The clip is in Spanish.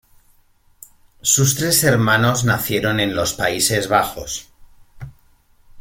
Sus tres hermanos nacieron en los Países Bajos.